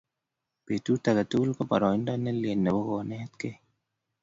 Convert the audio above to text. Petut age tugul ko boroindo ne lel nebo kenetkei